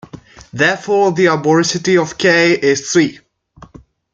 Therefore, the arboricity of "K" is three.